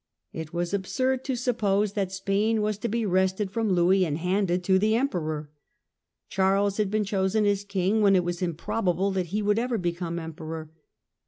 It was absurd to suppose that Spain was to be wrested from Louis and handed to the Emperor. Charles had been chosen as king when it was improbable that he would ever become emperor.